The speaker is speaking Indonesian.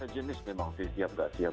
jenis memang sih siap nggak siap